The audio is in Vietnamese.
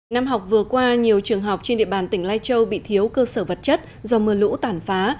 năm học vừa qua nhiều trường học trên địa bàn tỉnh lai châu bị thiếu cơ sở vật chất do mưa lũ tàn phá